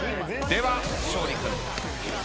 では勝利君